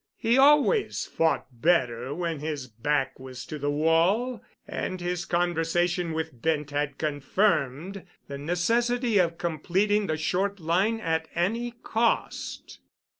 He always fought better when his back was to the wall, and his conversation with Bent had confirmed the necessity of completing the Short Line at any cost.